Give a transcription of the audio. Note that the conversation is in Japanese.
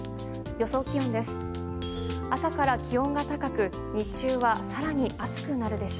予想気温です。